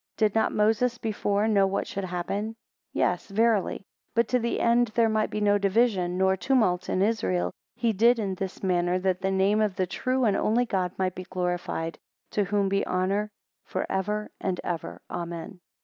Did not Moses before know what should happen? 15 Yes verily: but to the end there might be no division, nor tumult in Israel, he did in this manner, that the name of the true and only God might be glorified; to whom be honour for ever and ever, Amen.